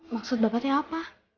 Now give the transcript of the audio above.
maksud bapak teh apa